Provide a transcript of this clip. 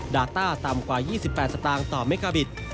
ต้าต่ำกว่า๒๘สตางค์ต่อเมกาบิต